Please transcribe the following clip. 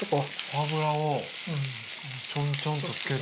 脂をちょんちょんとつけて。